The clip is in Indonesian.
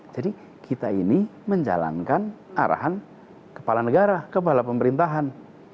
jadi kita ini menjalankan arahan kepala negara kepala pemerintahan